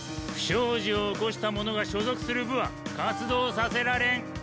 不祥事を起こした者が所属する部は活動させられん。